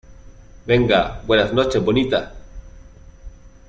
venga, buenas noches , bonita.